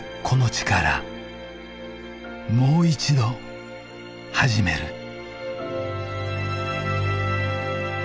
この地からもう一度始める。